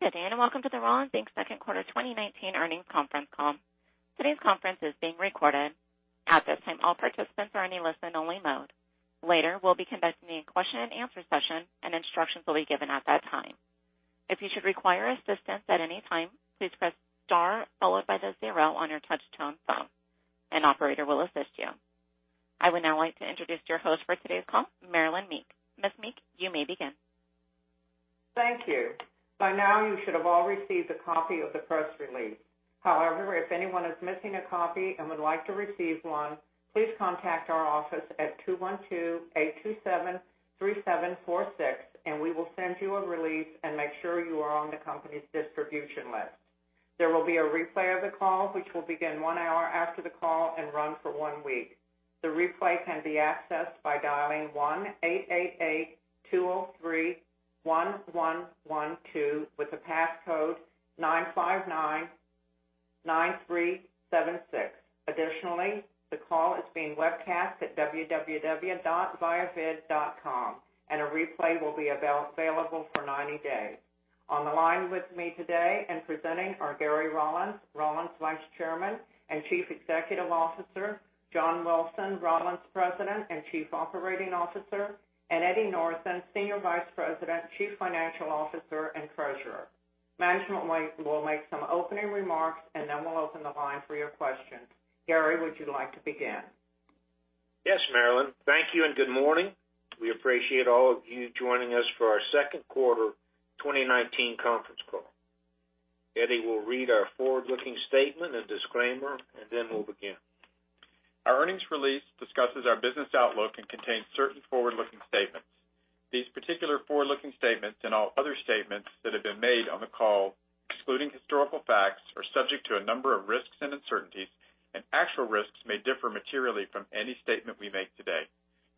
Good day, welcome to the Rollins, Inc. second quarter 2019 earnings conference call. Today's conference is being recorded. At this time, all participants are in a listen-only mode. Later, we'll be conducting a question and answer session. Instructions will be given at that time. If you should require assistance at any time, please press star followed by the zero on your touch-tone phone. An operator will assist you. I would now like to introduce your host for today's call, Marilynn Meek. Ms. Meek, you may begin. Thank you. By now, you should have all received a copy of the press release. However, if anyone is missing a copy and would like to receive one, please contact our office at 212-827-3746, and we will send you a release and make sure you are on the company's distribution list. There will be a replay of the call, which will begin one hour after the call and run for one week. The replay can be accessed by dialing 1-888-203-1112 with the passcode 9599376. Additionally, the call is being webcast at www.viavid.com, and a replay will be available for 90 days. On the line with me today and presenting are Gary Rollins' Vice Chairman and Chief Executive Officer, John Wilson, Rollins' President and Chief Operating Officer, and Eddie Northen, Senior Vice President, Chief Financial Officer, and Treasurer. Management will make some opening remarks, and then we'll open the line for your questions. Gary, would you like to begin? Yes, Marilynn. Thank you and good morning. We appreciate all of you joining us for our second quarter 2019 conference call. Eddie will read our forward-looking statement and disclaimer, and then we'll begin. Our earnings release discusses our business outlook and contains certain forward-looking statements. These particular forward-looking statements, and all other statements that have been made on the call excluding historical facts, are subject to a number of risks and uncertainties, and actual risks may differ materially from any statement we make today.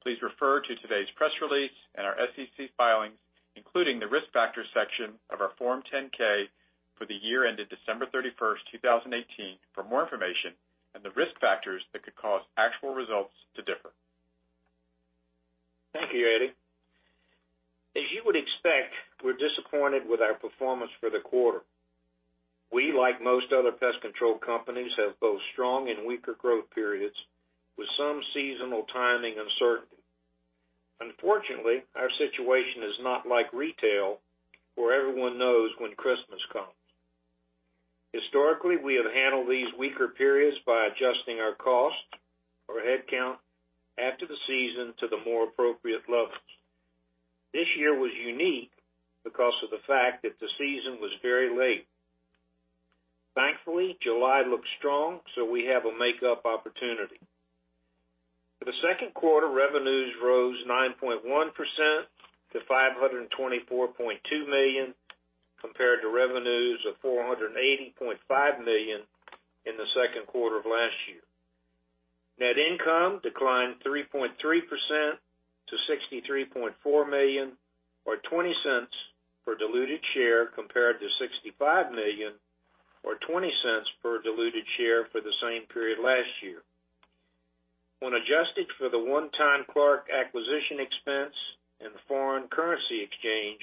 Please refer to today's press release and our SEC filings, including the Risk Factors section of our Form 10-K for the year ended December 31st, 2018, for more information on the risk factors that could cause actual results to differ. Thank you, Eddie. As you would expect, we're disappointed with our performance for the quarter. We, like most other pest control companies, have both strong and weaker growth periods with some seasonal timing uncertainty. Unfortunately, our situation is not like retail, where everyone knows when Christmas comes. Historically, we have handled these weaker periods by adjusting our cost or headcount after the season to the more appropriate levels. This year was unique because of the fact that the season was very late. Thankfully, July looks strong, so we have a makeup opportunity. For the second quarter, revenues rose 9.1% to $524.2 million, compared to revenues of $480.5 million in the second quarter of last year. Net income declined 3.3% to $63.4 million, or $0.20 per diluted share, compared to $65 million, or $0.20 per diluted share for the same period last year. When adjusted for the one-time Clark acquisition expense and the foreign currency exchange,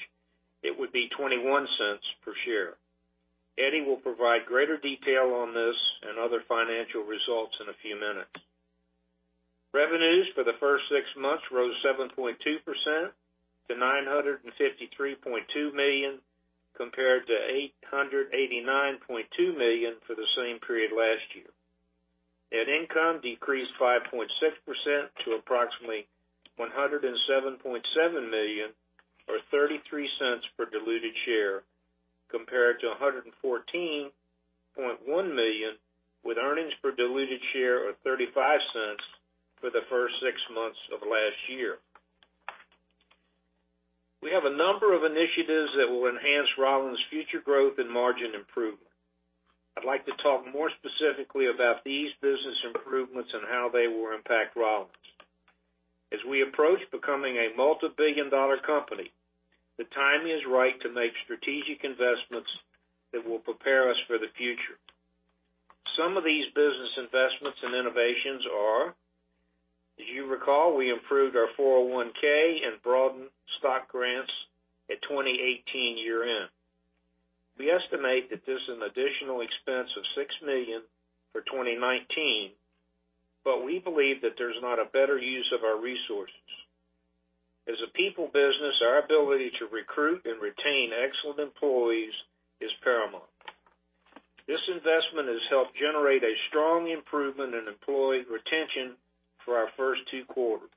it would be $0.21 per share. Eddie will provide greater detail on this and other financial results in a few minutes. Revenues for the first six months rose 7.2% to $953.2 million, compared to $889.2 million for the same period last year. Net income decreased 5.6% to approximately $107.7 million, or $0.33 per diluted share, compared to $114.1 million, with earnings per diluted share of $0.35 for the first six months of last year. We have a number of initiatives that will enhance Rollins' future growth and margin improvement. I'd like to talk more specifically about these business improvements and how they will impact Rollins. As we approach becoming a multibillion-dollar company, the time is right to make strategic investments that will prepare us for the future. Some of these business investments and innovations are, as you recall, we improved our 401(k) and broadened stock grants at 2018 year-end. We estimate that this is an additional expense of $6 million for 2019. We believe that there's not a better use of our resources. As a people business, our ability to recruit and retain excellent employees is paramount. This investment has helped generate a strong improvement in employee retention for our first two quarters.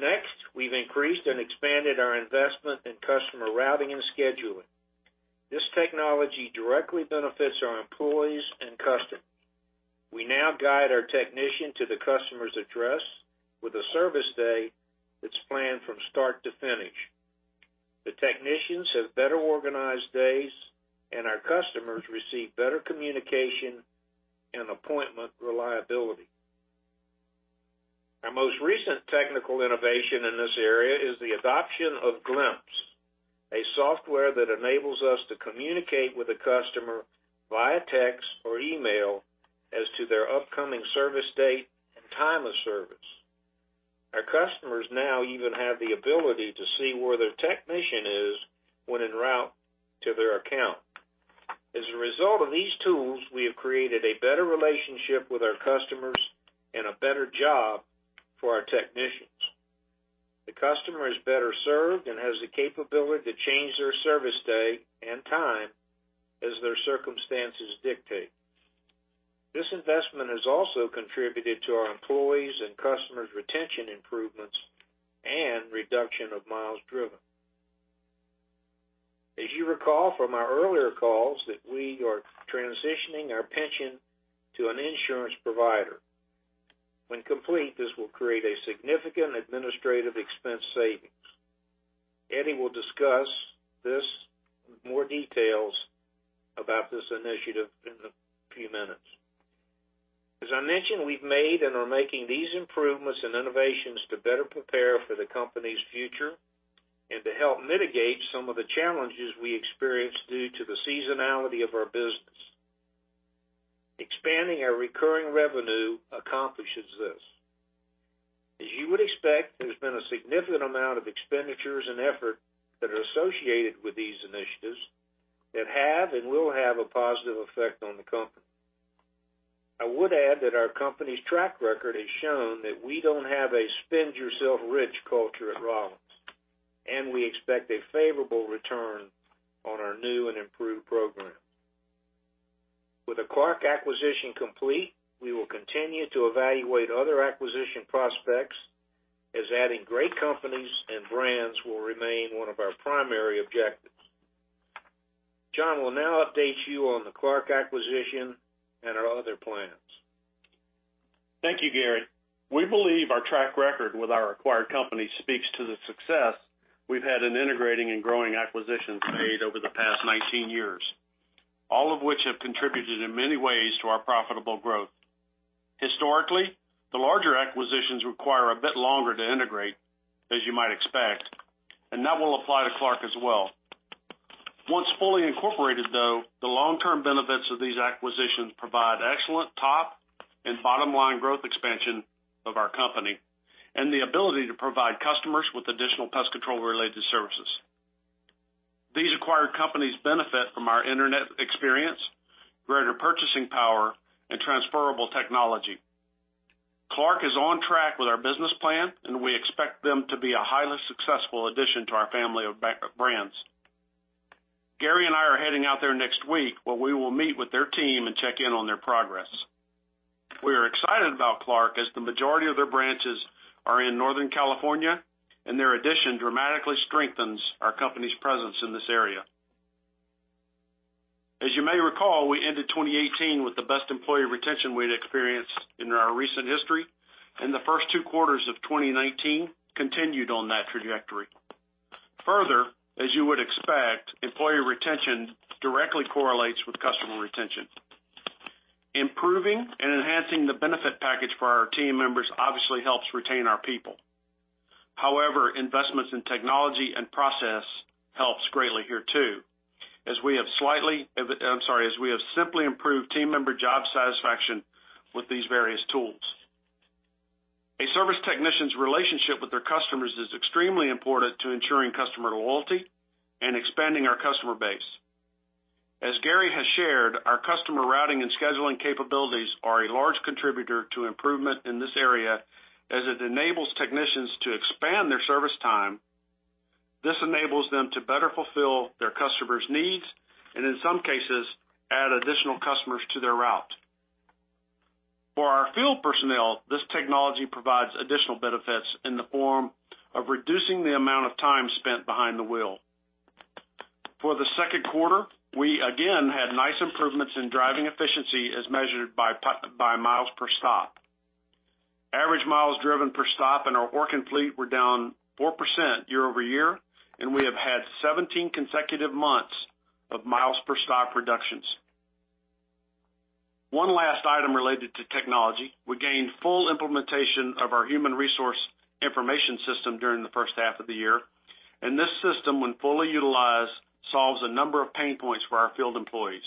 Next, we've increased and expanded our investment in customer routing and scheduling. This technology directly benefits our employees and customers. We now guide our technician to the customer's address with a service day that's planned from start to finish. The technicians have better-organized days. Our customers receive better communication and appointment reliability. Our most recent technical innovation in this area is the adoption of Glimpse, a software that enables us to communicate with the customer via text or email as to their upcoming service date and time of service. Our customers now even have the ability to see where their technician is when en route to their account. A result of these tools, we have created a better relationship with our customers and a better job for our technicians. The customer is better served and has the capability to change their service day and time as their circumstances dictate. This investment has also contributed to our employees' and customers' retention improvements and reduction of miles driven. You recall from our earlier calls that we are transitioning our pension to an insurance provider. When complete, this will create a significant administrative expense savings. Eddie will discuss this in more details about this initiative in a few minutes. As I mentioned, we've made and are making these improvements and innovations to better prepare for the company's future and to help mitigate some of the challenges we experience due to the seasonality of our business. Expanding our recurring revenue accomplishes this. As you would expect, there's been a significant amount of expenditures and effort that are associated with these initiatives that have and will have a positive effect on the company. I would add that our company's track record has shown that we don't have a spend-yourself-rich culture at Rollins, and we expect a favorable return on our new and improved program. With the Clark acquisition complete, we will continue to evaluate other acquisition prospects as adding great companies and brands will remain one of our primary objectives. John will now update you on the Clark acquisition and our other plans. Thank you, Gary. We believe our track record with our acquired company speaks to the success we've had in integrating and growing acquisitions made over the past 19 years, all of which have contributed in many ways to our profitable growth. Historically, the larger acquisitions require a bit longer to integrate, as you might expect, and that will apply to Clark as well. Once fully incorporated, though, the long-term benefits of these acquisitions provide excellent top and bottom-line growth expansion of our company and the ability to provide customers with additional pest control-related services. These acquired companies benefit from our internet experience, greater purchasing power, and transferable technology. Clark is on track with our business plan, and we expect them to be a highly successful addition to our family of brands. Gary and I are heading out there next week, where we will meet with their team and check in on their progress. We are excited about Clark, as the majority of their branches are in Northern California, and their addition dramatically strengthens our company's presence in this area. As you may recall, we ended 2018 with the best employee retention we'd experienced in our recent history, and the first two quarters of 2019 continued on that trajectory. Further, as you would expect, employee retention directly correlates with customer retention. Improving and enhancing the benefit package for our team members obviously helps retain our people. However, investments in technology and process helps greatly here too, as we have simply improved team member job satisfaction with these various tools. A service technician's relationship with their customers is extremely important to ensuring customer loyalty and expanding our customer base. As Gary has shared, our customer routing and scheduling capabilities are a large contributor to improvement in this area as it enables technicians to expand their service time. This enables them to better fulfill their customer's needs and, in some cases, add additional customers to their route. For our field personnel, this technology provides additional benefits in the form of reducing the amount of time spent behind the wheel. For the second quarter, we again had nice improvements in driving efficiency as measured by miles per stop. Average miles driven per stop in our Orkin fleet were down 4% year-over-year, and we have had 17 consecutive months of miles per stop reductions. One last item related to technology. We gained full implementation of our human resource information system during the first half of the year, and this system, when fully utilized, solves a number of pain points for our field employees.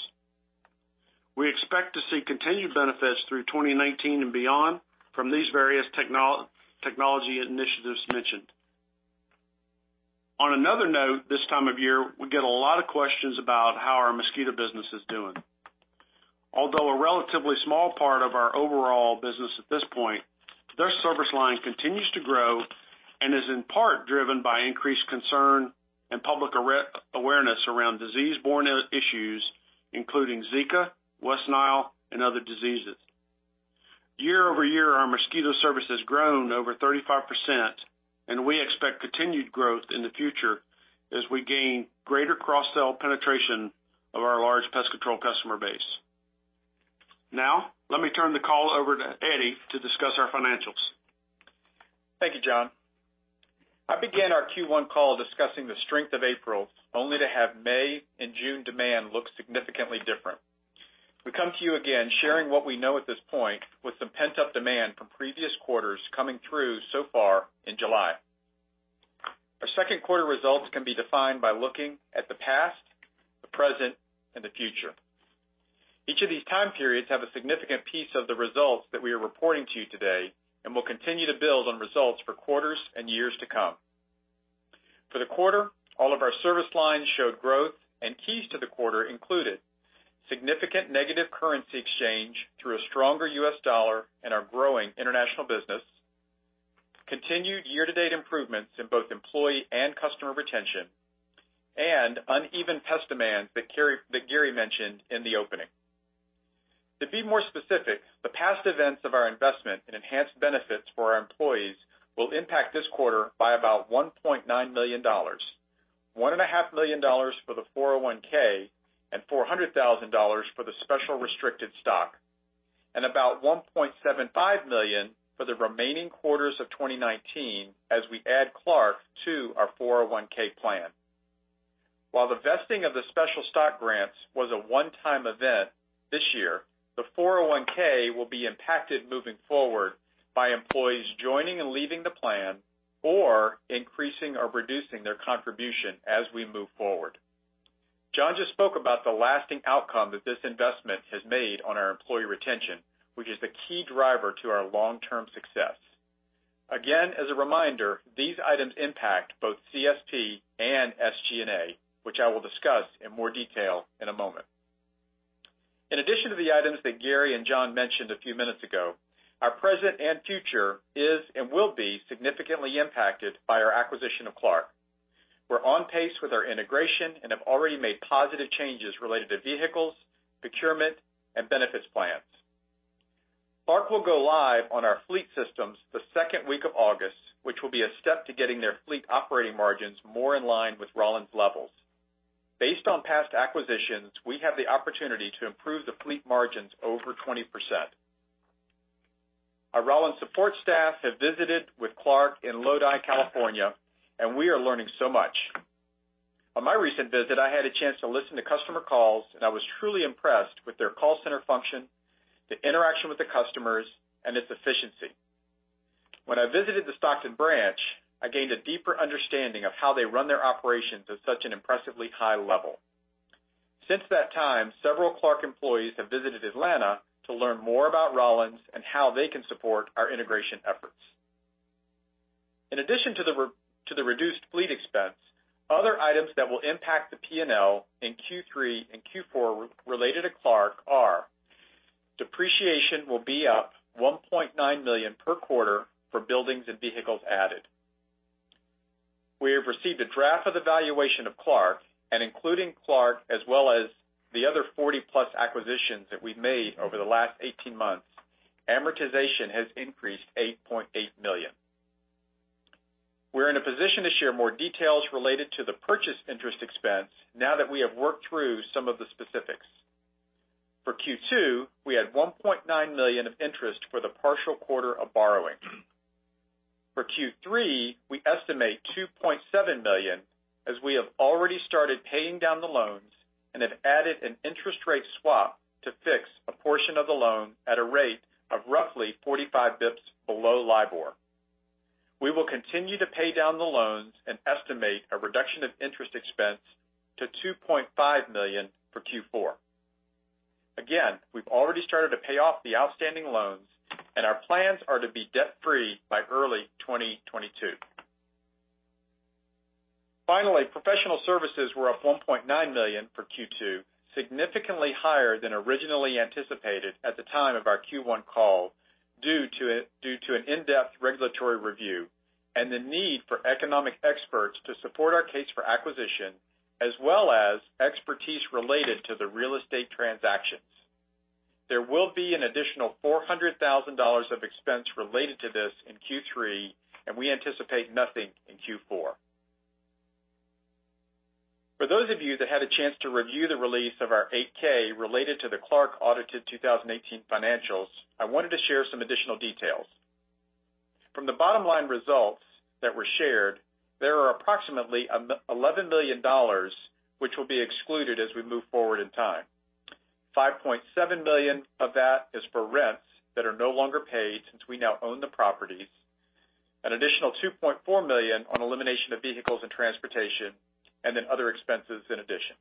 We expect to see continued benefits through 2019 and beyond from these various technology initiatives mentioned. On another note, this time of year, we get a lot of questions about how our mosquito business is doing. Although a relatively small part of our overall business at this point, this service line continues to grow and is in part driven by increased concern and public awareness around disease-borne issues, including Zika, West Nile, and other diseases. Year-over-year, our mosquito service has grown over 35%, and we expect continued growth in the future as we gain greater cross-sell penetration of our large pest control customer base. Now, let me turn the call over to Eddie to discuss our financials. Thank you, John. I began our Q1 call discussing the strength of April, only to have May and June demand look significantly different. We come to you again sharing what we know at this point with some pent-up demand from previous quarters coming through so far in July. Our second quarter results can be defined by looking at the past, the present, and the future periods have a significant piece of the results that we are reporting to you today, and will continue to build on results for quarters and years to come. For the quarter, all of our service lines showed growth, and keys to the quarter included significant negative currency exchange through a stronger U.S. dollar and our growing international business, continued year-to-date improvements in both employee and customer retention, and uneven test demand that Gary mentioned in the opening. To be more specific, the past events of our investment in enhanced benefits for our employees will impact this quarter by about $1.9 million, $1.5 million for the 401(k) and $400,000 for the special restricted stock. About $1.75 million for the remaining quarters of 2019, as we add Clark to our 401(k) plan. While the vesting of the special stock grants was a one-time event this year, the 401(k) will be impacted moving forward by employees joining and leaving the plan, or increasing or reducing their contribution as we move forward. John just spoke about the lasting outcome that this investment has made on our employee retention, which is the key driver to our long-term success. Again, as a reminder, these items impact both COS and SG&A, which I will discuss in more detail in a moment. In addition to the items that Gary and John mentioned a few minutes ago, our present and future is, and will be, significantly impacted by our acquisition of Clark. We're on pace with our integration and have already made positive changes related to vehicles, procurement, and benefits plans. Clark will go live on our fleet systems the second week of August, which will be a step to getting their fleet operating margins more in line with Rollins levels. Based on past acquisitions, we have the opportunity to improve the fleet margins over 20%. Our Rollins support staff have visited with Clark in Lodi, California, and we are learning so much. On my recent visit, I had a chance to listen to customer calls, and I was truly impressed with their call center function, the interaction with the customers, and its efficiency. When I visited the Stockton branch, I gained a deeper understanding of how they run their operations at such an impressively high level. Since that time, several Clark employees have visited Atlanta to learn more about Rollins and how they can support our integration efforts. In addition to the reduced fleet expense, other items that will impact the P&L in Q3 and Q4 related to Clark are: depreciation will be up $1.9 million per quarter for buildings and vehicles added. We have received a draft of the valuation of Clark, and including Clark as well as the other 40-plus acquisitions that we've made over the last 18 months, amortization has increased $8.8 million. We're in a position to share more details related to the purchase interest expense now that we have worked through some of the specifics. For Q2, we had $1.9 million of interest for the partial quarter of borrowing. For Q3, we estimate $2.7 million, as we have already started paying down the loans and have added an interest rate swap to fix a portion of the loan at a rate of roughly 45 bips below LIBOR. We will continue to pay down the loans and estimate a reduction of interest expense to $2.5 million for Q4. Again, we've already started to pay off the outstanding loans, and our plans are to be debt-free by early 2022. Finally, professional services were up $1.9 million for Q2, significantly higher than originally anticipated at the time of our Q1 call due to an in-depth regulatory review and the need for economic experts to support our case for acquisition, as well as expertise related to the real estate transactions. There will be an additional $400,000 of expense related to this in Q3. We anticipate nothing in Q4. For those of you that had a chance to review the release of our 8-K related to the Clark audited 2018 financials, I wanted to share some additional details. From the bottom line results that were shared, there are approximately $11 million, which will be excluded as we move forward in time. $5.7 million of that is for rents that are no longer paid since we now own the properties. An additional $2.4 million on elimination of vehicles and transportation. Other expenses in addition.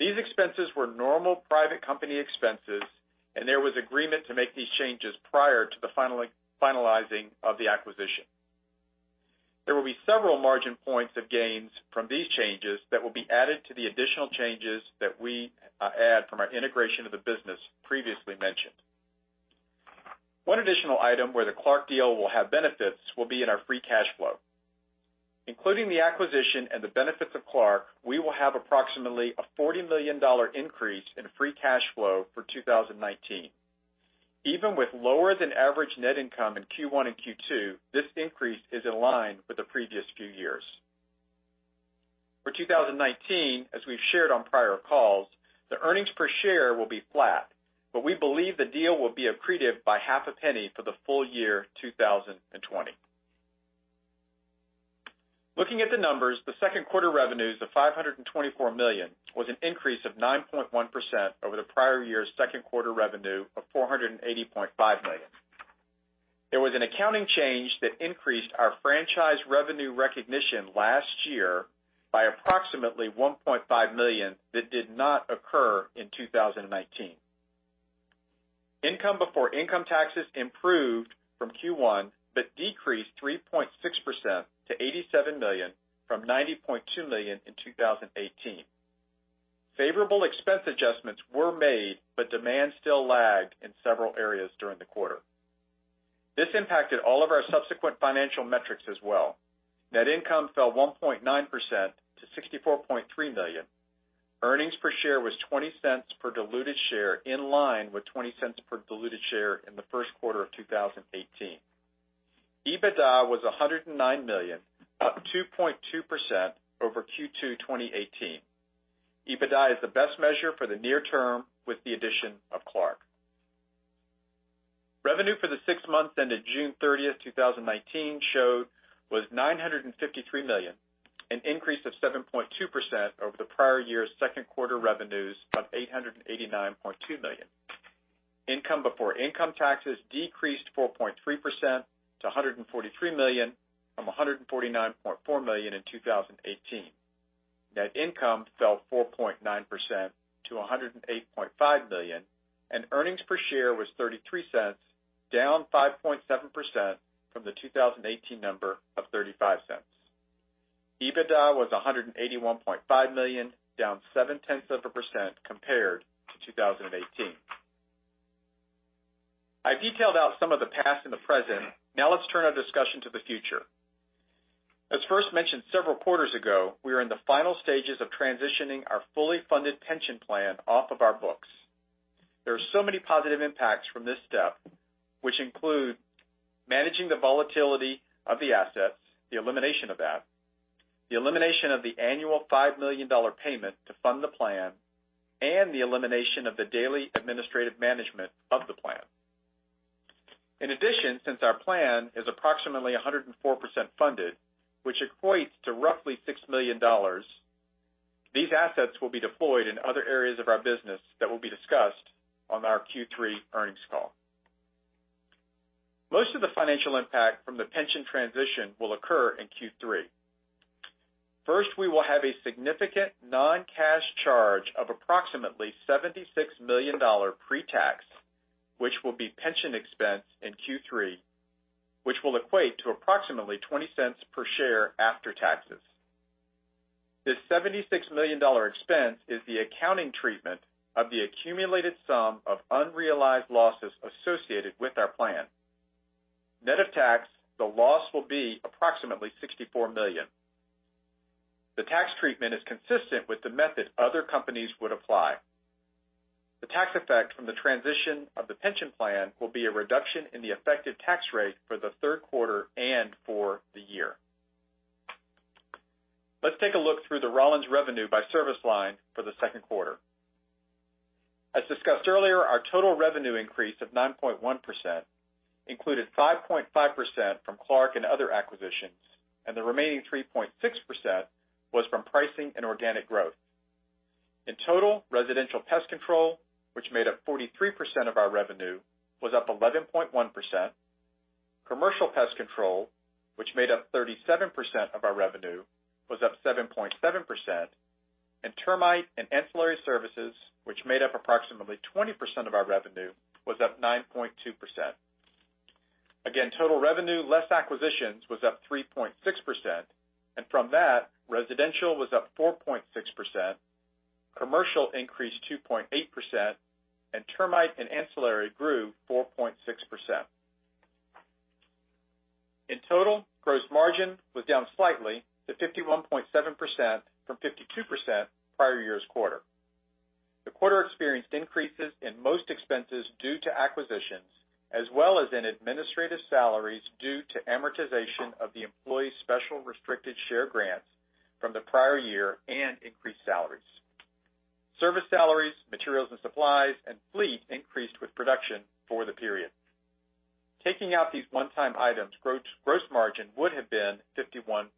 These expenses were normal private company expenses. There was agreement to make these changes prior to the finalizing of the acquisition. There will be several margin points of gains from these changes that will be added to the additional changes that we add from our integration of the business previously mentioned. One additional item where the Clark deal will have benefits will be in our free cash flow. Including the acquisition and the benefits of Clark, we will have approximately a $40 million increase in free cash flow for 2019. Even with lower than average net income in Q1 and Q2, this increase is in line with the previous few years. For 2019, as we've shared on prior calls, the earnings per share will be flat, but we believe the deal will be accretive by half a penny for the full year 2020. Looking at the numbers, the second quarter revenues of $524 million was an increase of 9.1% over the prior year's second quarter revenue of $480.5 million. There was an accounting change that increased our franchise revenue recognition last year by approximately $1.5 million that did not occur in 2019. Income before income taxes improved from Q1, but decreased 3.6% to $87 million from $90.2 million in 2018. Favorable expense adjustments were made, but demand still lagged in several areas during the quarter. This impacted all of our subsequent financial metrics as well. Net income fell 1.9% to $64.3 million. Earnings per share was $0.20 per diluted share, in line with $0.20 per diluted share in the first quarter of 2018. EBITDA was $109 million, up 2.2% over Q2 2018. EBITDA is the best measure for the near term, with the addition of Clark. Revenue for the six months ended June 30, 2019 showed was $953 million, an increase of 7.2% over the prior year's second quarter revenues of $889.2 million. Income before income taxes decreased 4.3% to $143 million from $149.4 million in 2018. Net income fell 4.9% to $108.5 million, and earnings per share was $0.33, down 5.7% from the 2018 number of $0.35. EBITDA was $181.5 million, down 0.7% compared to 2018. I detailed out some of the past and the present. Now let's turn our discussion to the future. As first mentioned several quarters ago, we are in the final stages of transitioning our fully funded pension plan off of our books. There are so many positive impacts from this step, which include managing the volatility of the assets, the elimination of that, the elimination of the annual $5 million payment to fund the plan, and the elimination of the daily administrative management of the plan. In addition, since our plan is approximately 104% funded, which equates to roughly $6 million, these assets will be deployed in other areas of our business that will be discussed on our Q3 earnings call. Most of the financial impact from the pension transition will occur in Q3. First, we will have a significant non-cash charge of approximately $76 million pre-tax, which will be pension expense in Q3, which will equate to approximately $0.20 per share after taxes. This $76 million expense is the accounting treatment of the accumulated sum of unrealized losses associated with our plan. Net of tax, the loss will be approximately $64 million. The tax treatment is consistent with the method other companies would apply. The tax effect from the transition of the pension plan will be a reduction in the effective tax rate for the third quarter and for the year. Let's take a look through the Rollins revenue by service line for the second quarter. As discussed earlier, our total revenue increase of 9.1% included 5.5% from Clark and other acquisitions, and the remaining 3.6% was from pricing and organic growth. In total, residential pest control, which made up 43% of our revenue, was up 11.1%. Commercial pest control, which made up 37% of our revenue, was up 7.7%. Termite and ancillary services, which made up approximately 20% of our revenue, was up 9.2%. Total revenue, less acquisitions, was up 3.6%, and from that, residential was up 4.6%, commercial increased 2.8%, and termite and ancillary grew 4.6%. In total, gross margin was down slightly to 51.7% from 52% prior year's quarter. The quarter experienced increases in most expenses due to acquisitions, as well as in administrative salaries due to amortization of the employee special restricted share grants from the prior year and increased salaries. Service salaries, materials and supplies, and fleet increased with production for the period. Taking out these one-time items, gross margin would have been 51.8%.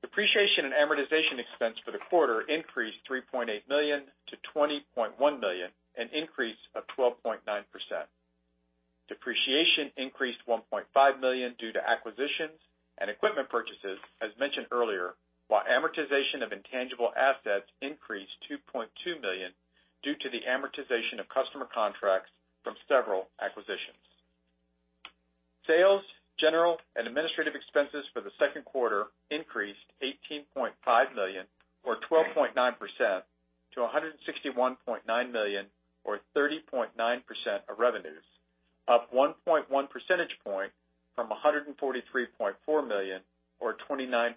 Depreciation and amortization expense for the quarter increased $3.8 million to $20.1 million, an increase of 12.9%. Depreciation increased $1.5 million due to acquisitions and equipment purchases, as mentioned earlier, while amortization of intangible assets increased $2.2 million due to the amortization of customer contracts from several acquisitions. Sales, general, and administrative expenses for the second quarter increased $18.5 million or 12.9% to $161.9 million or 30.9% of revenues, up 1.1 percentage point from $143.4 million or 29.8%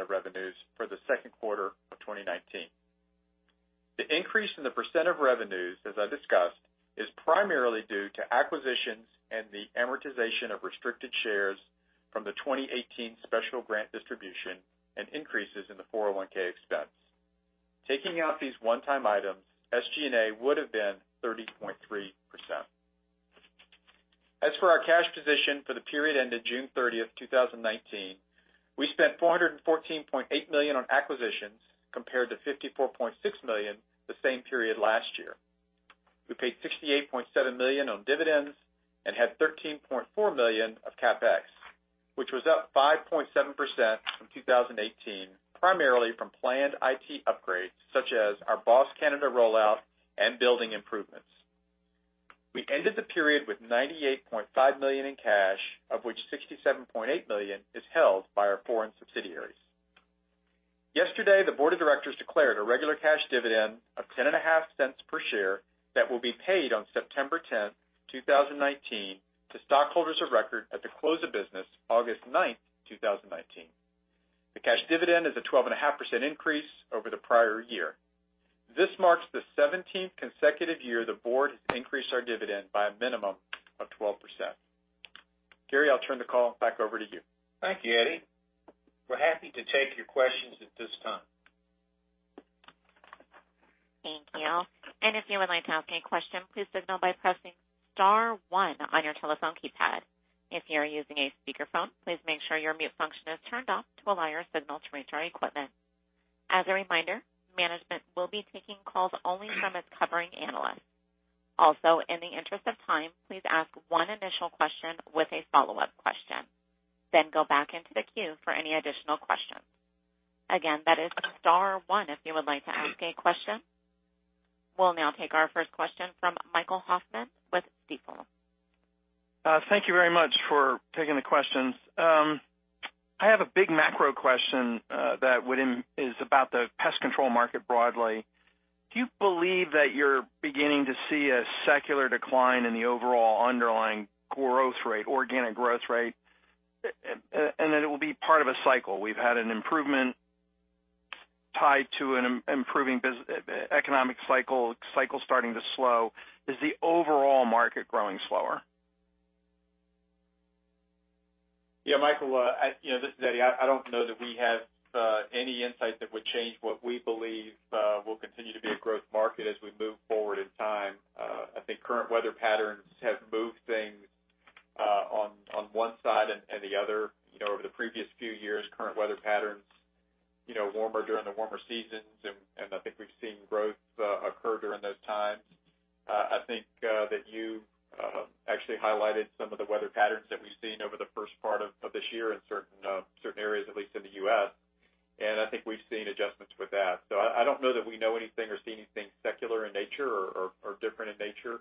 of revenues for the second quarter of 2019. The increase in the percent of revenues, as I discussed, is primarily due to acquisitions and the amortization of restricted shares from the 2018 special grant distribution and increases in the 401(k) expense. Taking out these one-time items, SG&A would have been 30.3%. As for our cash position for the period ended June 30th, 2019, we spent $414.8 million on acquisitions compared to $54.6 million the same period last year. We paid $68.7 million on dividends and had $13.4 million of CapEx, which was up 5.7% from 2018, primarily from planned IT upgrades, such as our BOSS Canada rollout and building improvements. We ended the period with $98.5 million in cash, of which $67.8 million is held by our foreign subsidiaries. Yesterday, the board of directors declared a regular cash dividend of $0.105 per share that will be paid on September 10th, 2019, to stockholders of record at the close of business August 9th, 2019. The cash dividend is a 12.5% increase over the prior year. This marks the 17th consecutive year the board has increased our dividend by a minimum of 12%. Gary, I'll turn the call back over to you. Thank you, Eddie. We're happy to take your questions at this time. Thank you. If you would like to ask any question, please signal by pressing star one on your telephone keypad. If you are using a speakerphone, please make sure your mute function is turned off to allow your signal to reach our equipment. As a reminder, management will be taking calls only from its covering analysts. In the interest of time, please ask one initial question with a follow-up question. Go back into the queue for any additional questions. Again, that is star one, if you would like to ask a question. We'll now take our first question from Michael Hoffman with Stifel. Thank you very much for taking the questions. I have a big macro question that is about the pest control market broadly. Do you believe that you're beginning to see a secular decline in the overall underlying growth rate, organic growth rate, and that it will be part of a cycle? We've had an improvement tied to an improving economic cycle starting to slow. Is the overall market growing slower? Yeah, Michael, this is Eddie. I don't know that we have any insight that would change what we believe will continue to be a growth market as we move forward in time. I think current weather patterns have moved things on one side and the other. Over the previous few years, current weather patterns, warmer during the warmer seasons, and I think we've seen growth occur during those times. I think that you actually highlighted some of the weather patterns that we've seen over the first part of this year in certain areas, at least in the U.S., and I think we've seen adjustments with that. I don't know that we know anything or see anything secular in nature or different in nature,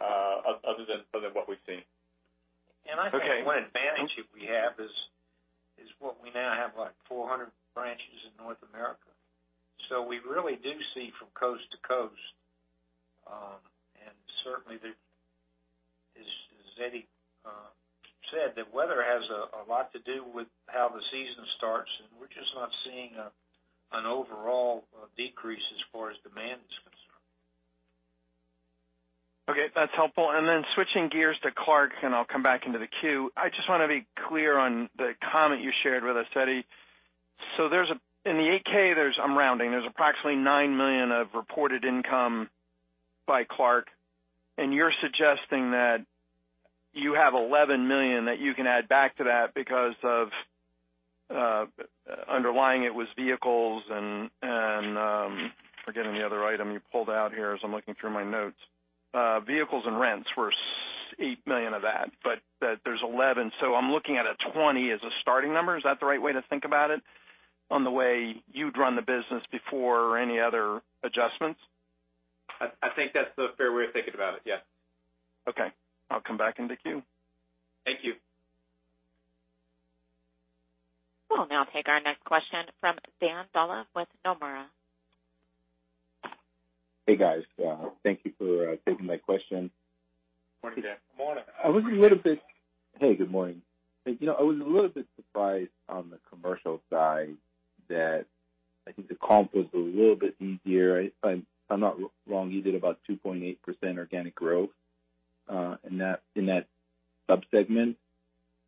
other than what we've seen. I think one advantage that we have is what we now have, like, 400 branches in North America. We really do see from coast to coast. Certainly, as Eddie said, that weather has a lot to do with how the season starts, and we're just not seeing an overall decrease as far as demand is concerned. Okay. That's helpful. Switching gears to Clark, and I'll come back into the queue. I just want to be clear on the comment you shared with us, Eddie. In the 8-K, I'm rounding, there's approximately $9 million of reported income by Clark, and you're suggesting that you have $11 million that you can add back to that because of underlying it was vehicles and, I'm forgetting the other item you pulled out here as I'm looking through my notes. Vehicles and rents were $8 million of that, but there's $11. I'm looking at a $20 as a starting number. Is that the right way to think about it on the way you'd run the business before any other adjustments? I think that's a fair way of thinking about it, yeah. Okay. I'll come back in the queue. Thank you. We'll now take our next question from Dan Dolev with Nomura. Hey, guys. Thank you for taking my question. Morning, Dan. Morning. Hey, good morning. I was a little bit surprised on the commercial side that I think the comp was a little bit easier. If I'm not wrong, you did about 2.8% organic growth in that sub-segment.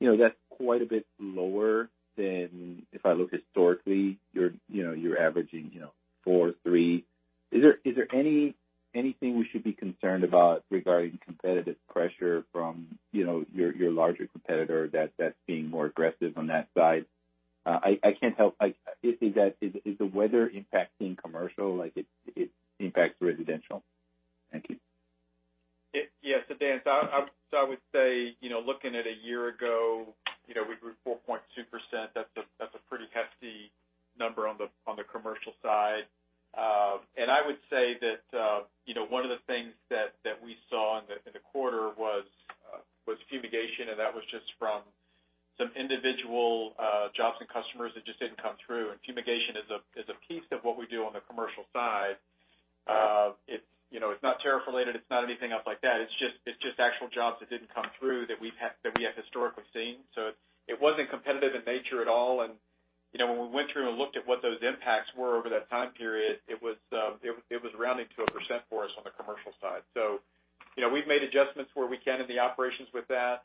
That's quite a bit lower than if I look historically, you're averaging 4%, 3%. Is there anything we should be concerned about regarding competitive pressure from your larger competitor that's being more aggressive on that side? Is the weather impacting commercial like it impacts residential? Thank you. Yeah. Dan Dolev, I would say, looking at a year ago, we grew 4.2%. That's a pretty hefty number on the commercial side. I would say that one of the things that we saw in the quarter was fumigation, and that was just from some individual jobs and customers that just didn't come through. Fumigation is a piece of what we do on the commercial side. It's not tariff related. It's not anything up like that. It's just actual jobs that didn't come through that we have historically seen. It wasn't competitive in nature at all. When we went through and looked at what those impacts were over that time period, it was rounding to 1% for us on the commercial side. We've made adjustments where we can in the operations with that.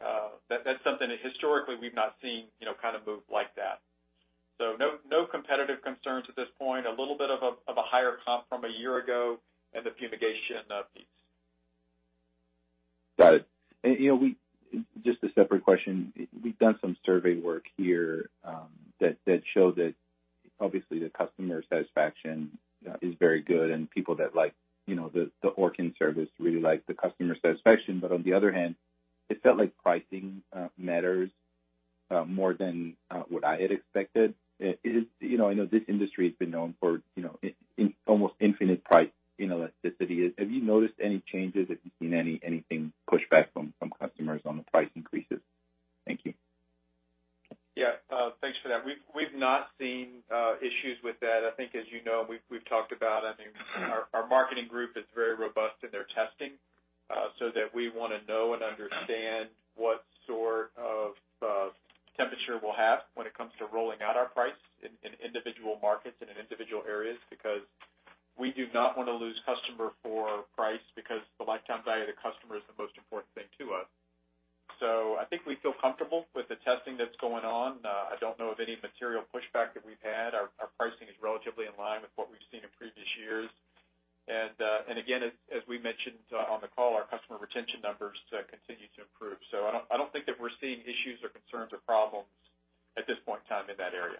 That's something that historically we've not seen, kind of move like that. No competitive concerns at this point. A little bit of a higher comp from a year ago and the fumigation of fleets. Got it. Just a separate question. We've done some survey work here that showed that obviously the customer satisfaction is very good and people that like the Orkin service really like the customer satisfaction. On the other hand, it felt like pricing matters more than what I had expected. I know this industry has been known for almost infinite price elasticity. Have you noticed any changes? Have you seen anything pushback from customers on the price increases? Thank you. Yeah. Thanks for that. We've not seen issues with that. I think as you know, we've talked about, our marketing group is very robust in their testing, so that we want to know and understand what sort of temperature we'll have when it comes to rolling out our price in individual markets and in individual areas, because we do not want to lose customer for price because the lifetime value of the customer is the most important thing to us. I think we feel comfortable with the testing that's going on. I don't know of any material pushback that we've had. Our pricing is relatively in line with what we've seen in previous years. Again, as we mentioned on the call, our customer retention numbers continue to improve. I don't think that we're seeing issues or concerns or problems at this point in time in that area.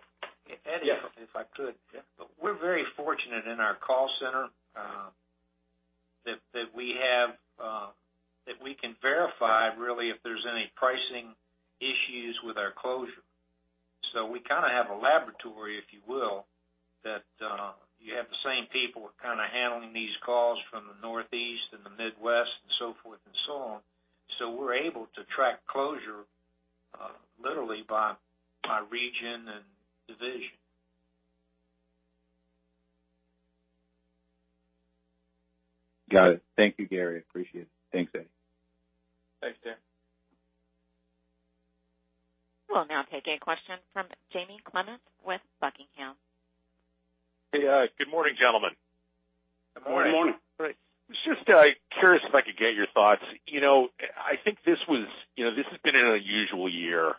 Eddie? Yes. If I could. Yeah. We're very fortunate in our call center that we can verify really if there's any pricing issues with our closure. We kind of have a laboratory, if you will, that you have the same people kind of handling these calls from the Northeast and the Midwest and so forth and so on. We're able to track closure, literally by region and division. Got it. Thank you, Gary. Appreciate it. Thanks, Eddie. Thanks, Dan. We'll now take a question from Jamie Clement with Buckingham. Hey. Good morning, gentlemen. Good morning. Good morning. Great. I was just curious if I could get your thoughts. I think this has been an unusual year,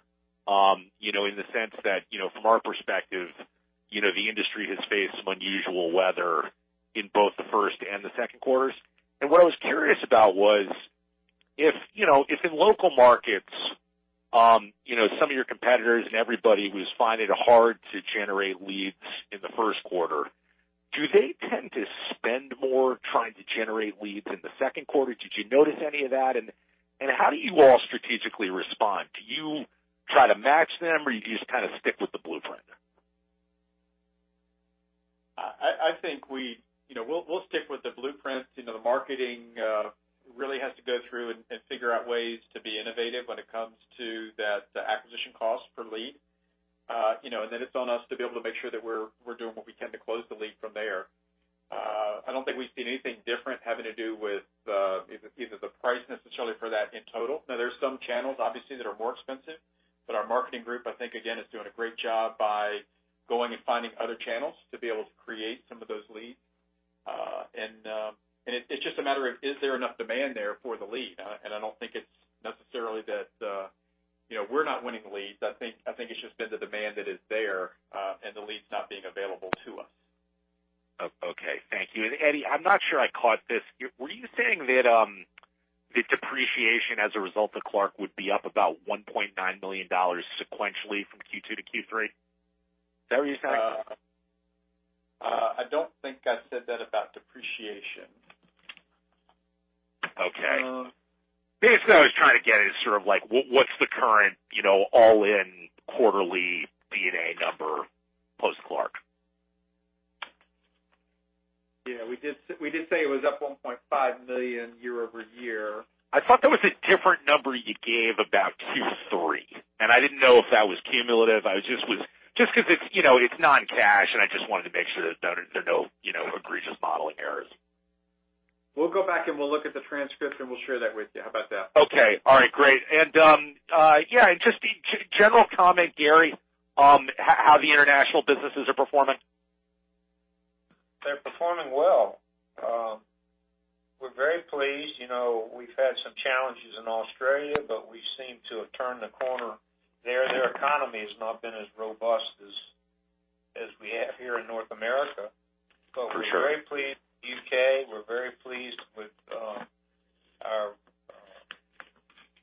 in the sense that, from our perspective, the industry has faced some unusual weather in both the first and the second quarters. What I was curious about was if in local markets, some of your competitors and everybody was finding it hard to generate leads in the first quarter, do they tend to spend more trying to generate leads in the second quarter? Did you notice any of that? How do you all strategically respond? Do you try to match them, or do you just kind of stick with the blueprint? I think we'll stick with the blueprint. The marketing really has to go through and figure out ways to be innovative when it comes to the acquisition cost per lead. It's on us to be able to make sure that we're doing what we can to close the lead from there. I don't think we've seen anything different having to do with either the price necessarily for that in total. There's some channels, obviously, that are more expensive, but our marketing group, I think, again, is doing a great job by going and finding other channels to be able to create some of those leads. It's just a matter of, is there enough demand there for the lead? I don't think it's necessarily that we're not winning the leads. I think it's just been the demand that is there, and the leads not being available to us. Okay. Thank you. Eddie, I'm not sure I caught this. Were you saying that the depreciation as a result of Clark would be up about $1.9 million sequentially from Q2 to Q3? Is that what you're saying? I don't think I said that about depreciation. Okay. Basically, what I was trying to get is sort of like, what's the current all-in quarterly D&A number post-Clark? Yeah, we did say it was up $1.5 million year-over-year. I thought there was a different number you gave about Q3, and I didn't know if that was cumulative. Just because it's non-cash, and I just wanted to make sure that there are no egregious modeling errors. We'll go back and we'll look at the transcript and we'll share that with you. How about that? Okay. All right, great. Yeah, just a general comment, Gary, how the international businesses are performing. They're performing well. We're very pleased. We've had some challenges in Australia, but we seem to have turned the corner there. Their economy has not been as robust as we have here in North America. For sure. We're very pleased with U.K. We're very pleased with our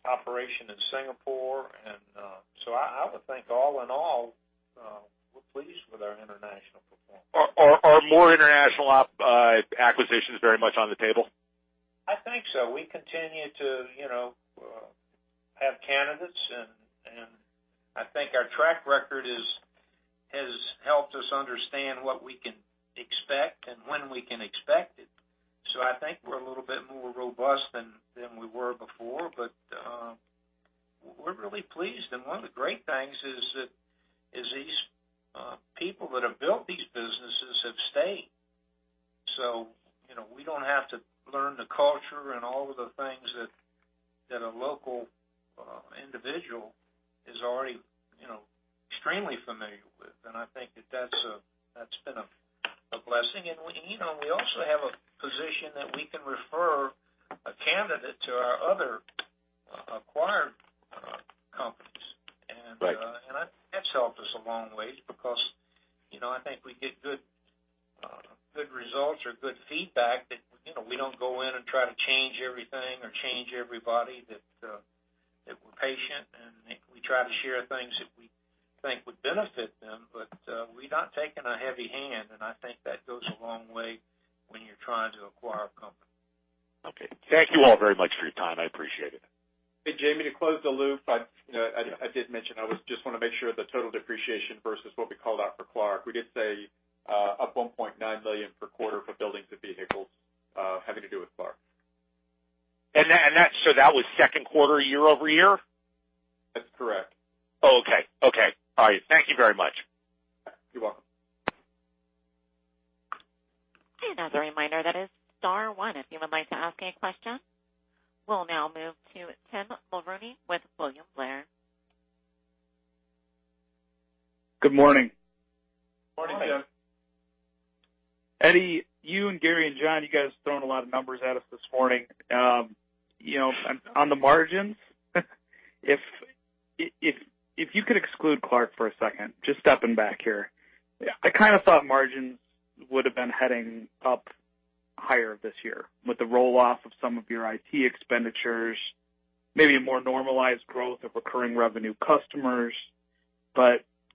operation in Singapore. I would think all in all, we're pleased with our international performance. Are more international acquisitions very much on the table? I think so. We continue to have candidates. I think our track record has helped us understand what we can expect and when we can expect it. I think we're a little bit more robust than we were before. We're really pleased. One of the great things is these people that have built these businesses have stayed. We don't have to learn the culture and all of the things that a local individual has already extremely familiar with. I think that's been a blessing. We also have a position that we can refer a candidate to our other acquired companies. Right. That's helped us a long ways because I think we get good results or good feedback that we don't go in and try to change everything or change everybody, that we're patient and we try to share things that we think would benefit them. We're not taking a heavy hand, and I think that goes a long way when you're trying to acquire a company. Okay. Thank you all very much for your time. I appreciate it. Hey, Jamie, to close the loop, I did mention I just want to make sure the total depreciation versus what we called out for Clark. We did say up $1.9 million per quarter for buildings and vehicles, having to do with Clark. That was second quarter year-over-year? That's correct. Okay. All right. Thank you very much. You're welcome. As a reminder, that is star one if you would like to ask any question. We'll now move to Tim Mulrooney with William Blair. Good morning. Morning, Tim. Eddie, you and Gary and John, you guys thrown a lot of numbers at us this morning. On the margins, if you could exclude Clark for a second, just stepping back here. I kind of thought margins would've been heading up higher this year with the roll-off of some of your IT expenditures, maybe a more normalized growth of recurring revenue customers.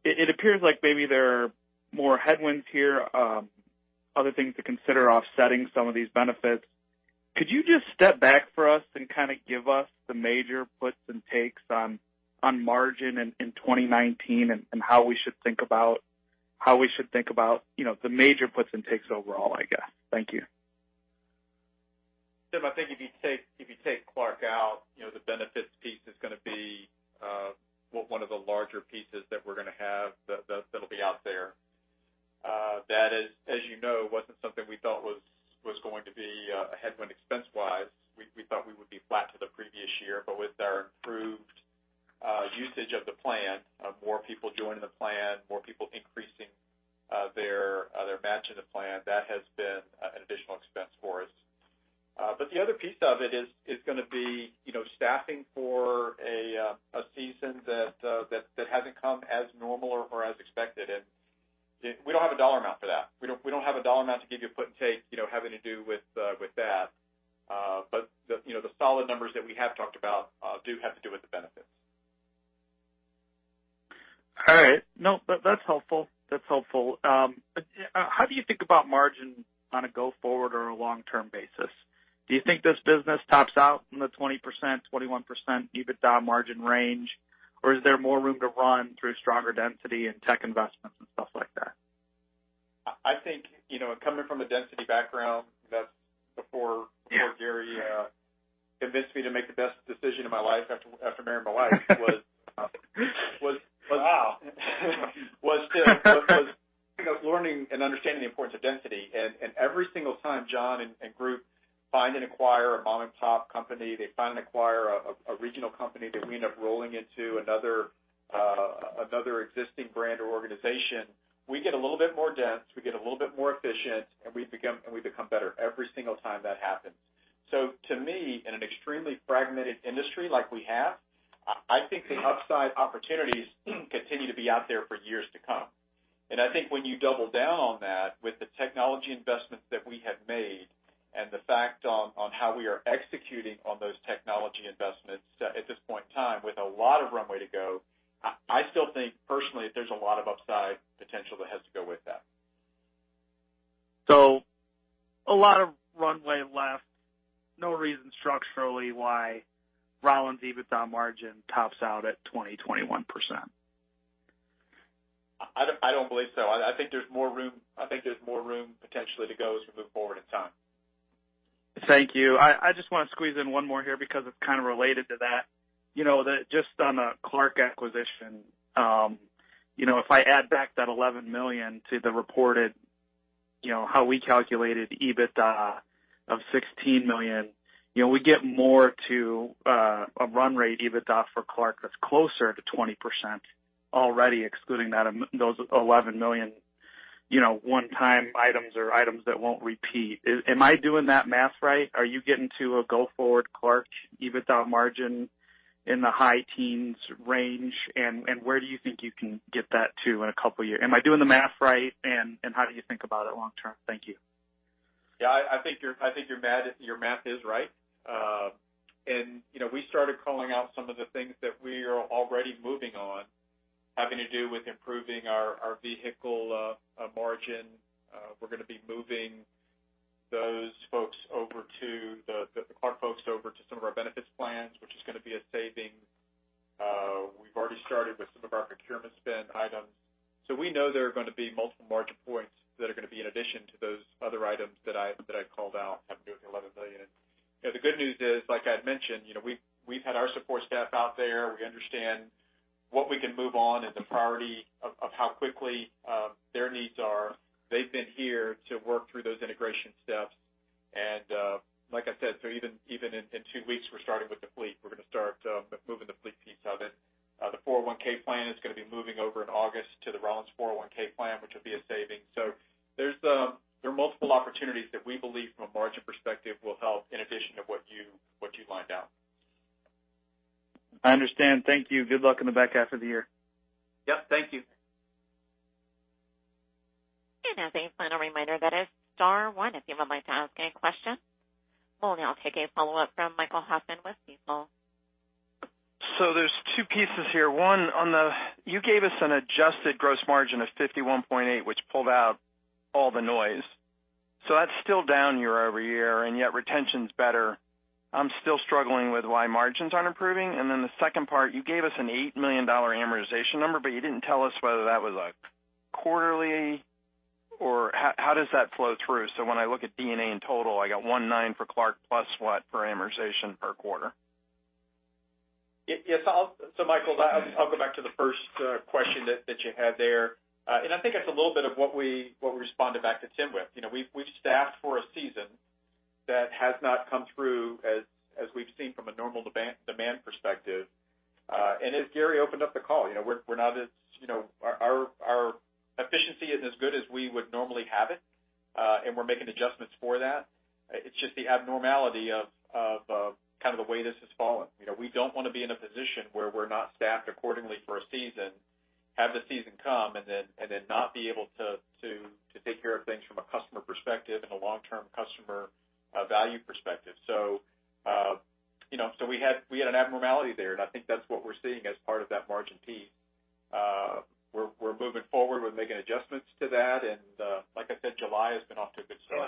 It appears like maybe there are more headwinds here, other things to consider offsetting some of these benefits. Could you just step back for us and kind of give us the major puts and takes on margin in 2019, and how we should think about the major puts and takes overall, I guess. Thank you. Tim, I think if you take Clark out, the benefits piece is going to be one of the larger pieces that we're going to have that'll be out there. That is, as you know, wasn't something we felt was going to be a headwind expense-wise. We thought we would be flat to the previous year. With our improved usage of the plan, more people joining the plan, more people increasing their match in the plan, that has been an additional expense for us. The other piece of it is going to be staffing for a season that hasn't come as normal or as expected, and we don't have a dollar amount for that. We don't have a dollar amount to give you a put and take, having to do with that. The solid numbers that we have talked about do have to do with the benefits. All right. No, that's helpful. How do you think about margin on a go forward or a long-term basis? Do you think this business tops out in the 20%, 21% EBITDA margin range, or is there more room to run through stronger density and tech investments and stuff like that? I think, coming from a density background, that's before Gary convinced me to make the best decision of my life after marrying my wife. Wow. -was kind of learning and understanding the importance of density. Every single time John and group find and acquire a mom-and-pop company, they find and acquire a regional company that we end up rolling into another existing brand or organization, we get a little bit more dense, we get a little bit more efficient, and we become better every single time that happens. To me, in an extremely fragmented industry like we have, I think the upside opportunities continue to be out there for years to come. I think when you double down on that with the technology investments that we have made and the fact on how we are executing on those technology investments at this point in time with a lot of runway to go, I still think personally, there's a lot of upside potential that has to go with that. A lot of runway left, no reason structurally why Rollins EBITDA margin tops out at 20%-21%. I don't believe so. I think there's more room potentially to go as we move forward in time. Thank you. I just want to squeeze in one more here because it's kind of related to that. Just on the Clark acquisition, if I add back that $11 million to the reported, how we calculated EBITDA of $16 million, we get more to a run rate EBITDA for Clark that's closer to 20% already excluding those $11 million one-time items or items that won't repeat. Am I doing that math right? Are you getting to a go forward Clark EBITDA margin in the high teens range, and where do you think you can get that to in a couple years? Am I doing the math right, and how do you think about it long term? Thank you. Yeah, I think your math is right. We started calling out some of the things that we are already moving on, having to do with improving our vehicle margin. We're going to be moving those folks over to the Clark folks over to some of our benefits plans, which is going to be a saving. We've already started with some of our procurement spend items. We know there are going to be multiple margin points that are going to be in addition to those other items that I called out, having to do with the $11 million. The good news is, like I had mentioned, we've had our support staff out there. We understand what we can move on and the priority of how quickly their needs are. They've been here to work through those integration steps. Like I said, even in two weeks, we're starting with the fleet. We're going to start moving the fleet piece of it. The 401 plan is going to be moving over in August to the Rollins 401 plan, which will be a saving. There are multiple opportunities that we believe from a margin perspective will help in addition to what you lined out. I understand. Thank you. Good luck in the back half of the year. Yep. Thank you. As a final reminder, that is star one if you would like to ask any questions. We will now take a follow-up from Michael Hoffman with Stifel. There's two pieces here. One, you gave us an adjusted gross margin of 51.8%, which pulled out all the noise. That's still down year-over-year, and yet retention's better. I'm still struggling with why margins aren't improving. Then the second part, you gave us an $8 million amortization number, but you didn't tell us whether that was a quarterly or how does that flow through? When I look at D&A in total, I got $1.9 for Clark plus what for amortization per quarter? Michael, I'll go back to the first question that you had there. I think that's a little bit of what we responded back to Tim with. We just asked for a season that has not come through as we've seen from a normal demand perspective. As Gary opened up the call our efficiency isn't as good as we would normally have it. We're making adjustments for that. It's just the abnormality of the way this has fallen. We don't want to be in a position where we're not staffed accordingly for a season, have the season come, and then not be able to take care of things from a customer perspective and a long-term customer value perspective. We had an abnormality there, and I think that's what we're seeing as part of that margin piece. We're moving forward. We're making adjustments to that, and like I said, July has been off to a good start.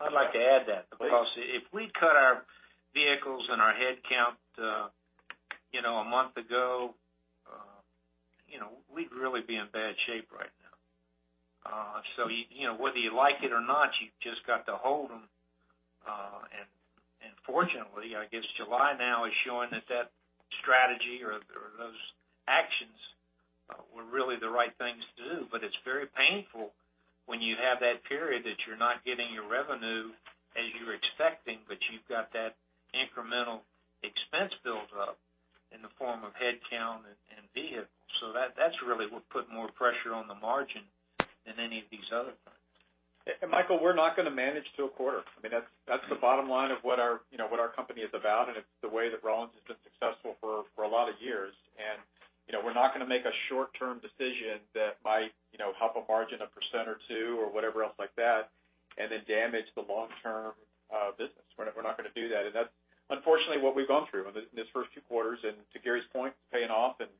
I'd like to add that because if we cut our vehicles and our headcount a month ago, we'd really be in bad shape right now. Whether you like it or not, you've just got to hold them. Fortunately, I guess July now is showing that strategy or those actions were really the right things to do. It's very painful when you have that period that you're not getting your revenue as you were expecting, but you've got that incremental expense build up in the form of headcount and vehicles. That's really what put more pressure on the margin than any of these other things. Michael, we're not going to manage to a quarter. That's the bottom line of what our company is about, and it's the way that Rollins has been successful for a lot of years. We're not going to make a short-term decision that might help a margin 1% or 2% or whatever else like that, and then damage the long-term business. We're not going to do that. That's unfortunately what we've gone through in this first two quarters. To Gary's point, it's paying off and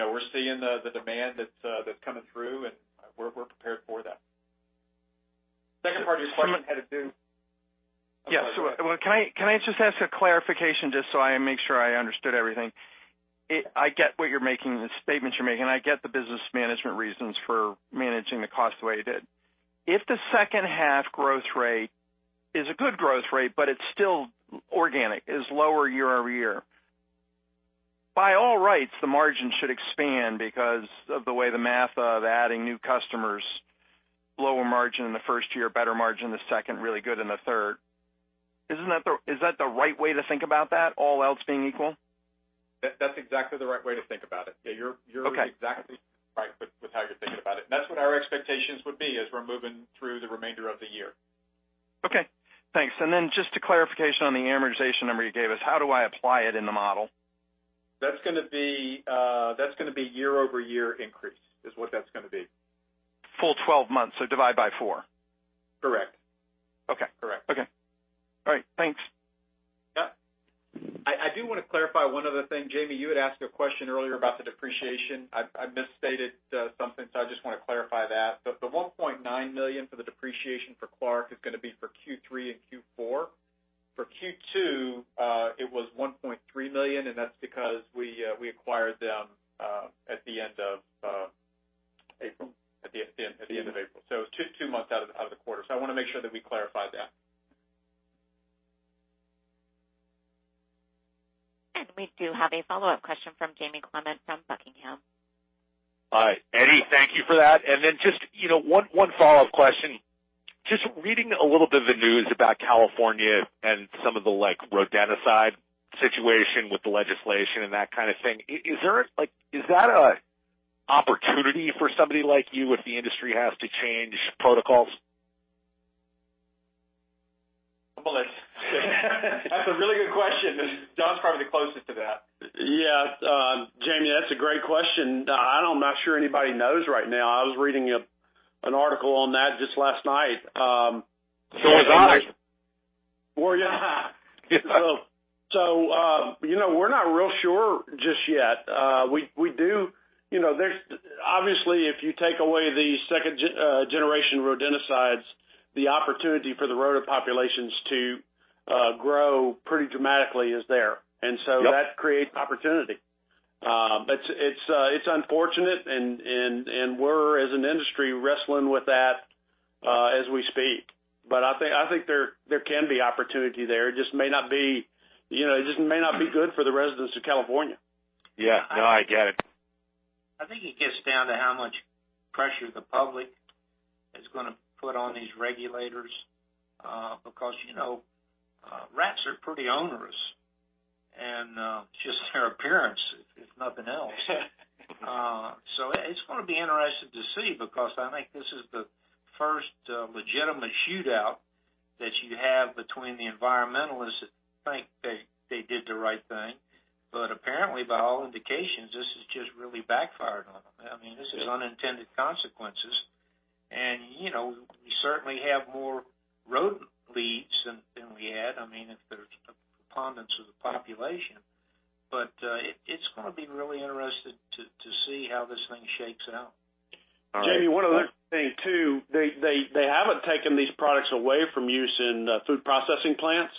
we're seeing the demand that's coming through, and we're prepared for that. Second part of your question had to do Yeah. Can I just ask a clarification just so I make sure I understood everything? I get the statements you're making, I get the business management reasons for managing the cost the way you did. If the second half growth rate is a good growth rate, but it's still organic, is lower year-over-year. By all rights, the margin should expand because of the way the math of adding new customers, lower margin in the first year, better margin in the second, really good in the third. Is that the right way to think about that, all else being equal? That's exactly the right way to think about it. Yeah. Okay. You're exactly right with how you're thinking about it. That's what our expectations would be as we're moving through the remainder of the year. Okay, thanks. Just a clarification on the amortization number you gave us. How do I apply it in the model? That's going to be year-over-year increase, is what that's going to be. Full 12 months, divide by four. Correct. Okay. Correct. Okay. All right. Thanks. Yeah. I do want to clarify one other thing. Jamie, you had asked a question earlier about the depreciation. I misstated something, so I just want to clarify that. The $1.9 million for the depreciation for Clark is going to be for Q3 and Q4. For Q2, it was $1.3 million, and that's because we acquired them at the end of April. Two months out of the quarter. I want to make sure that we clarify that. We do have a follow-up question from Jamie Clement from Buckingham. Hi, Eddie, thank you for that. Then just one follow-up question. Just reading a little bit of the news about California and some of the rodenticide situation with the legislation and that kind of thing. Is that an opportunity for somebody like you if the industry has to change protocols? Well, that's a really good question. John's probably the closest to that. Yeah. Jamie, that's a great question. I'm not sure anybody knows right now. I was reading an article on that just last night. Was I. Were you? Yes. We're not real sure just yet. Obviously, if you take away the second-generation rodenticides, the opportunity for the rodent populations to grow pretty dramatically is there. Yep. That creates opportunity. It's unfortunate, and we're as an industry wrestling with that as we speak. I think there can be opportunity there. It just may not be good for the residents of California. Yeah. No, I get it. I think it gets down to how much pressure the public is going to put on these regulators, because rats are pretty onerous and just their appearance, if nothing else. It's going to be interesting to see, because I think this is the first legitimate shootout that you have between the environmentalists that think they did the right thing. Apparently, by all indications, this has just really backfired on them. This is unintended consequences. We certainly have more rodent leads than we had if they're the preponderance of the population. It's going to be really interesting to see how this thing shakes out. All right. Jamie, one other thing too, they haven't taken these products away from use in food processing plants.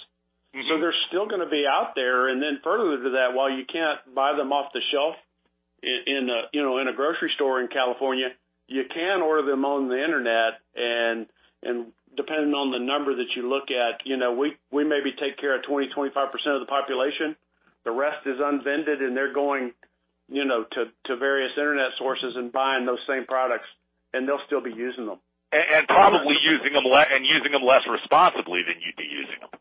They're still going to be out there. Further to that, while you can't buy them off the shelf in a grocery store in California, you can order them on the internet, and depending on the number that you look at, we maybe take care of 20, 25% of the population. The rest is unvended, and they're going to various internet sources and buying those same products, and they'll still be using them. Probably using them less responsibly than you'd be using them.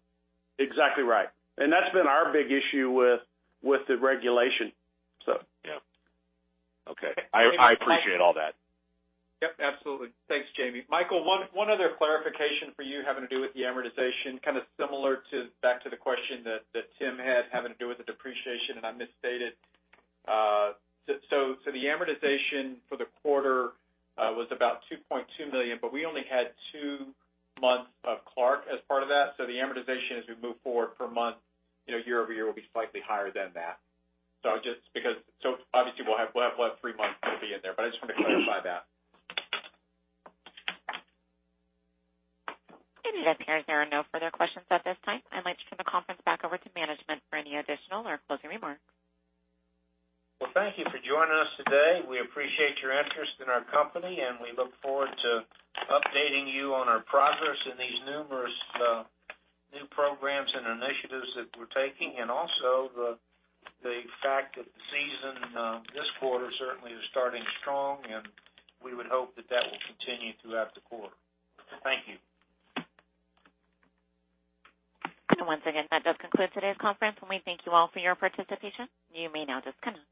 Exactly right. That's been our big issue with the regulation. Yeah. Okay. I appreciate all that. Yep, absolutely. Thanks, Jamie. Michael, one other clarification for you having to do with the amortization, kind of similar back to the question that Tim had having to do with the depreciation, and I misstated. The amortization for the quarter was about $2.2 million, but we only had two months of Clark as part of that. The amortization as we move forward per month, year-over-year, will be slightly higher than that. Obviously, we'll have three months to be in there, but I just wanted to clarify that. Operator, there are no further questions at this time. I'd like to turn the conference back over to management for any additional or closing remarks. Well, thank you for joining us today. We appreciate your interest in our company, and we look forward to updating you on our progress in these numerous new programs and initiatives that we're taking, and also the fact that the season this quarter certainly is starting strong, and we would hope that that will continue throughout the quarter. Thank you. Once again, that does conclude today's conference, and we thank you all for your participation. You may now disconnect.